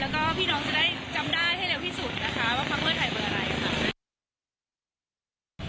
แล้วก็พี่น้องจะได้จำได้ให้เร็วที่สุดนะคะว่าพักเพื่อไทยเบอร์อะไรค่ะ